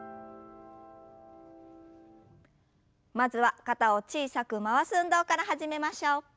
まずは肩を小さく回す運動から始めましょう。